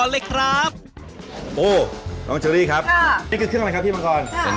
ราคาเท่าไหร่ครับพี่